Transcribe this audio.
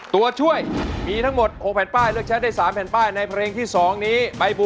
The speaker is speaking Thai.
ตัวช่วยมีทั้งหมด๖แผ่นป้ายเลือกใช้ได้๓แผ่นป้ายในเพลงที่๒นี้ใบบัว